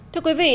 thưa quý vị